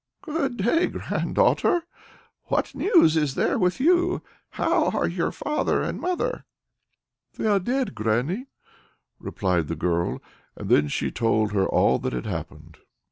"Good day, granddaughter! What news is there with you? How are your father and mother?" "They are dead, granny," replied the girl, and then told her all that had happened.